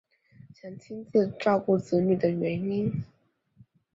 想亲自照顾子女等原因